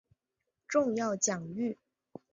重要奖誉